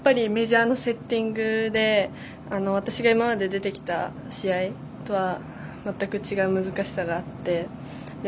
メジャーのセッティングで私が今まで出てきた試合とは全く違う難しさがあって。